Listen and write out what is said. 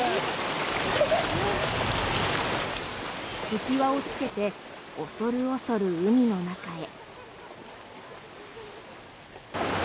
浮輪をつけて恐る恐る海の中へ。